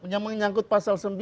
yang menyangkut pasal sembilan